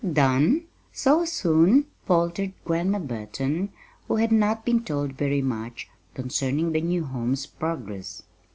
"Done? So soon?" faltered Grandma Burton, who had not been told very much concerning the new home's progress.